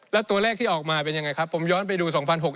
แล้วตัวเลขที่ออกมาเป็นยังไงครับผมย้อนไปดู๒๖๖